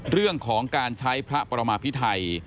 เรื่องของการใช้พระประมาพิไทย